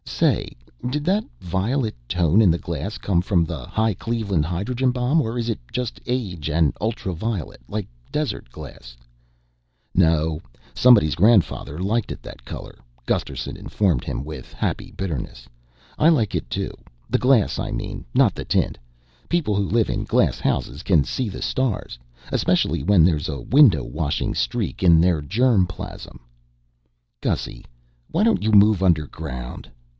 "Say, did that violet tone in the glass come from the high Cleveland hydrogen bomb or is it just age and ultraviolet, like desert glass?" "No, somebody's grandfather liked it that color," Gusterson informed him with happy bitterness. "I like it too the glass, I mean, not the tint. People who live in glass houses can see the stars especially when there's a window washing streak in their germ plasm." "Gussy, why don't you move underground?"